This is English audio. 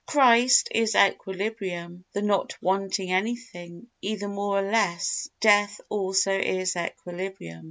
Christ is equilibrium—the not wanting anything, either more or less. Death also is equilibrium.